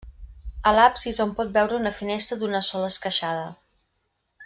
A l'absis hom pot veure una finestra d'una sola esqueixada.